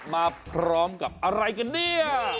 มาพร้อมกับอะไรกันเนี่ย